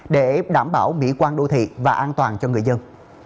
để đảm bảo mỹ quan đô thị và an toàn cho người dân